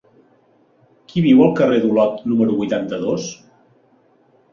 Qui viu al carrer d'Olot número vuitanta-dos?